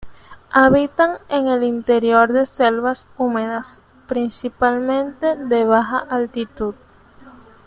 Habitan en el interior de selvas húmedas, principalmente de baja altitud.